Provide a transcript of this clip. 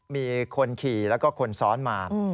มีคนขี่แล้วก็คนซ้อนมา